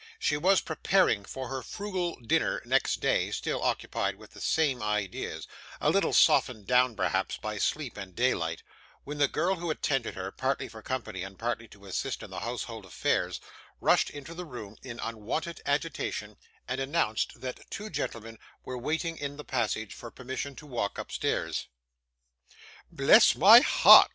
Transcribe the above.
She was preparing for her frugal dinner next day, still occupied with the same ideas a little softened down perhaps by sleep and daylight when the girl who attended her, partly for company, and partly to assist in the household affairs, rushed into the room in unwonted agitation, and announced that two gentlemen were waiting in the passage for permission to walk upstairs. 'Bless my heart!